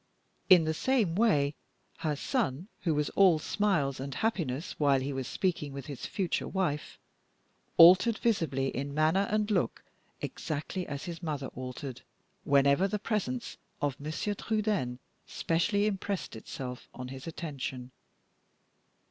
In the same way, her son, who was all smiles and happiness while he was speaking with his future wife, altered visibly in manner and look exactly as his mother altered, whenever the presence of Monsieur Trudaine specially impressed itself on his attention.